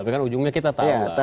tapi kan ujungnya kita tahu lah